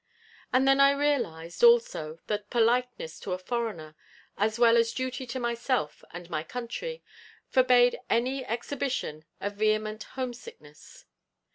And then I realised, also, that politeness to the foreigner, as well as duty to myself and my country, forbade any exhibition of vehement home sickness.